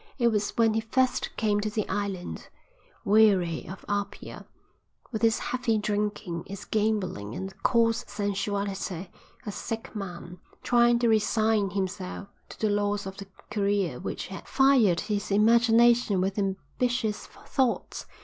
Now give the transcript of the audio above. It was when he first came to the island, weary of Apia, with its heavy drinking, its gambling and coarse sensuality, a sick man, trying to resign himself to the loss of the career which had fired his imagination with ambitious thoughts.